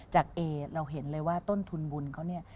เอเราเห็นเลยว่าต้นทุนบุญเขาเนี่ย